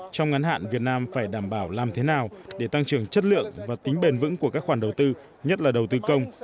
trong ngắn hạn việt nam phải đảm bảo làm thế nào để tăng trưởng chất lượng và tính bền vững của các khoản đầu tư nhất là đầu tư công